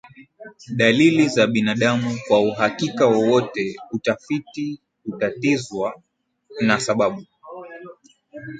dalili zabinadamu kwa uhakika wowote Utafiti hutatizwa na sababu